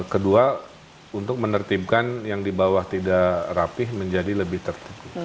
kedua untuk menertibkan yang dibawah tidak rapih menjadi lebih tertib